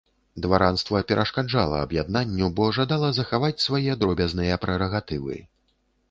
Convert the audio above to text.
Дваранства перашкаджала аб'яднанню, бо жадала захаваць свае дробязныя прэрагатывы.